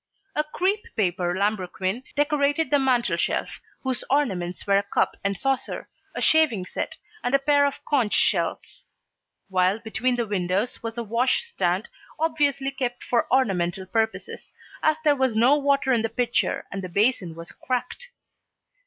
A crepe paper lambrequin decorated the mantel shelf, whose ornaments were a cup and saucer, a shaving set, and a pair of conch shells; while between the windows was a wash stand obviously kept for ornamental purposes, as there was no water in the pitcher and the basin was cracked.